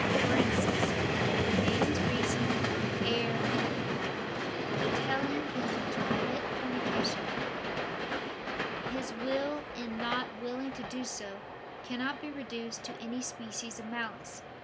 For instance, if a man's reason err in telling him to commit fornication, his will in not willing to do so, cannot be reduced to any species of malice.